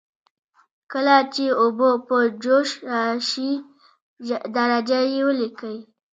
کله چې اوبه په جوش راشي درجه یې ولیکئ.